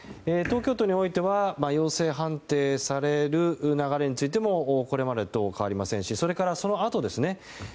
東京都においては陽性判定される流れについてもこれまでと変わりませんしそのあとですね